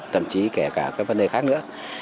thậm chí kể cả các vấn đề khác nữa